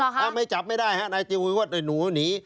อ๋อเหรอคะไม่จับไม่ได้ฮะในตีวฮุยฮวดหนูหนี